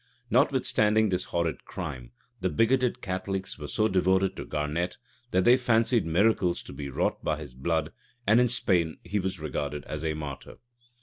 Notwithstanding this horrid crime, the bigoted Catholics were so devoted to Garnet, that they fancied miracles to be wrought by his blood;[] and in Spain he was regarded as a martyr.